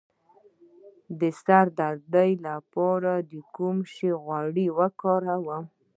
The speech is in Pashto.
د سر درد لپاره د کوم شي غوړي وکاروم؟